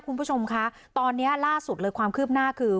คุณผู้ชมคะตอนนี้ล่าสุดเลยความคืบหน้าคือ